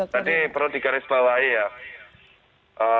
tadi perlu digarisbawahi ya